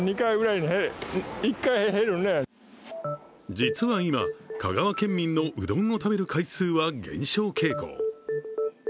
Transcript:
実は今、香川県民のうどんを食べる回数は減少傾向。